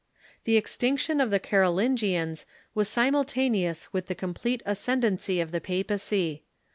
The extinction of the Carolingians was simultaneous with the complete ascendency of the papacy.